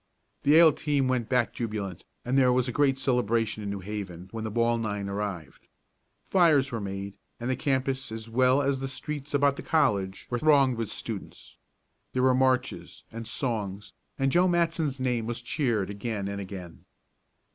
The Yale team went back jubilant, and there was a great celebration in New Haven when the ball nine arrived. Fires were made, and the campus as well as the streets about the college were thronged with students. There were marches, and songs, and Joe Matson's name was cheered again and again.